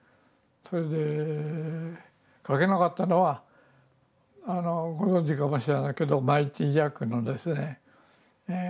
それで書けなかったのはご存じかもしれないけど「マイティジャック」のですね